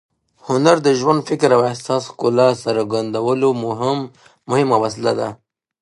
هنر د ژوند، فکر او احساس د ښکلا څرګندولو مهم وسیله ده.